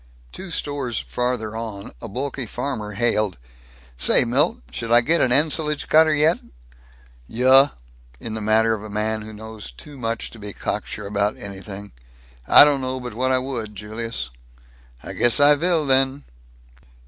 Two stores farther on, a bulky farmer hailed, "Say, Milt, should I get an ensilage cutter yet?" "Yuh," in the manner of a man who knows too much to be cocksure about anything, "I don't know but what I would, Julius." "I guess I vill then."